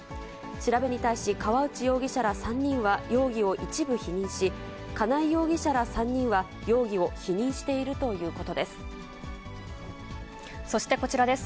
調べに対し、河内容疑者ら３人は容疑を一部否認し、金井容疑者ら３人は容疑をそしてこちらです。